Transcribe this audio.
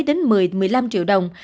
đến một mươi một mươi năm triệu đồng